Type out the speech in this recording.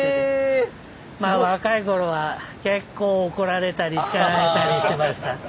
若い頃は結構怒られたり叱られたりしました。